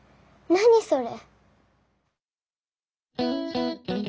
何それ？